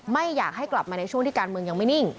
ไม่อยากให้กลับมาในช่วงที่การเมืองยังไม่นิ่ง